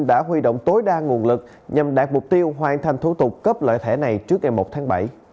đã huy động tối đa nguồn lực nhằm đạt mục tiêu hoàn thành thủ tục cấp lợi thẻ này trước ngày một tháng bảy